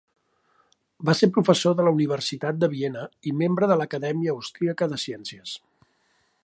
Va ser professor de la Universitat de Viena i membre de l'Acadèmia Austríaca de Ciències.